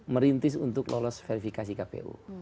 merintis untuk lolos verifikasi kpu